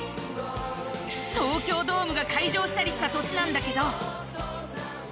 東京ドームが開場したりした年なんだけど。